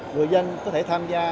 người dân có thể tham gia